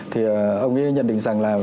thì ông ấy nhận định rằng là